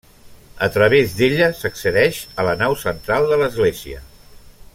A través d'ella s'accedeix a la nau central de l'església.